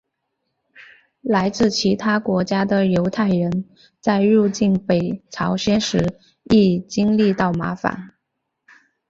来自其他国家的犹太人在入境北朝鲜时亦经历到麻烦。